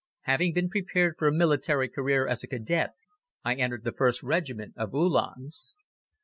Having been prepared for a military career as a Cadet, I entered the 1st Regiment of Uhlans.